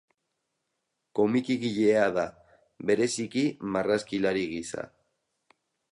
Komikigilea da, bereziki marrazkilari gisa.